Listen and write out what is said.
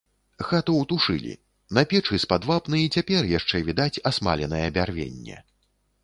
Хату ўтушылі, на печы з-пад вапны і цяпер яшчэ відаць асмаленае бярвенне.